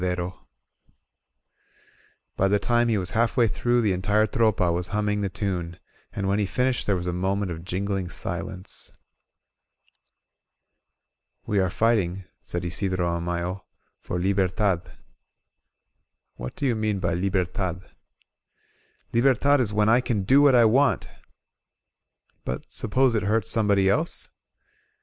99 INSURGENT MEXICO By the time he was half way through, the entire Tropa was humming the tune, and when he finished there was a moment of jingling silence. We are fighting," said Isidro Amayo, "for Liber tad." "What do you mean by Libertad?" "Libertad is when I can do what I wantT* "But suppose it hurts somebody else?"